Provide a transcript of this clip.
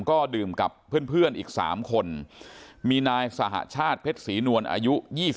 ก็ดื่มกับเพื่อนอีก๓คนมีนายสหชาติเพชรศรีนวลอายุ๒๓